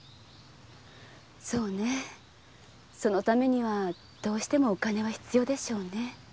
そうねぇそれにはどうしてもお金が必要でしょうね。